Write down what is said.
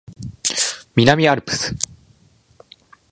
南アルプス